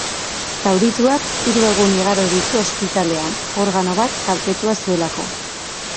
Zaurituak hiru egun igaro ditu ospitalean, organo bat kaltetuta zuelako.